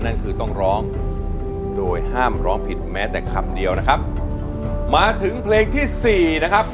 นั่นคือต้องร้องโดยห้ามร้องผิดแม้แต่คำเดียวนะครับมาถึงเพลงที่สี่นะครับ